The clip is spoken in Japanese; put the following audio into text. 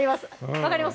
分かります